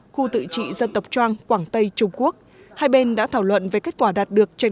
khu tự trị dân tộc trang quảng tây trung quốc hai bên đã thảo luận về kết quả đạt được trên